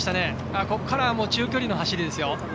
ここから中距離の走りですよ。